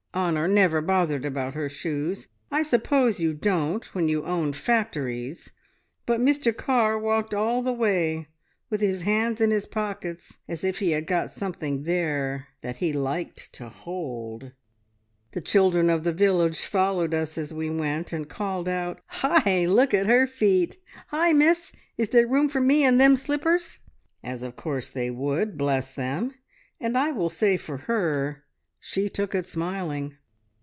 Honor never bothered about her shoes: I suppose you don't when you own factories, but Mr Carr walked all the way with his hands in his pockets as if he had got something there that he liked to hold. "The children of the village followed us as we went, and called out, `Hi, look at her feet! Hi, Miss, is there room for me in them slippers?' as of course they would, bless them! And I will say for her she took it smiling.